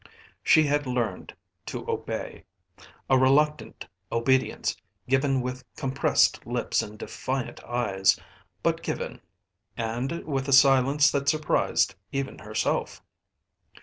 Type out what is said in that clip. She had learned to obey a reluctant obedience given with compressed lips and defiant eyes, but given, and with a silence that surprised even herself.